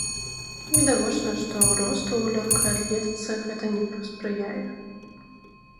Відавочна, што росту ў лёгкай атлетыцы гэта не паспрыяе.